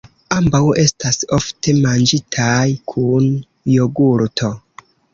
Ambaŭ estas ofte manĝitaj kun jogurto.